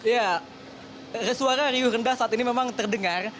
ya suara riuh rendah saat ini memang terdengar